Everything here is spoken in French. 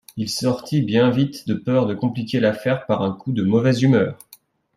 Il sortit bien vite, de peur de compliquer l'affaire par un coup de mauvaise humeur.